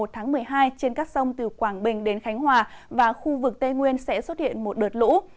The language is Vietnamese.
trên các sông từ quảng bình đến khánh hòa và khu vực tây nguyên sẽ xuất hiện một đợt lũ